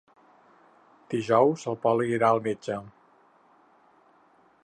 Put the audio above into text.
Dijous en Pol irà al metge.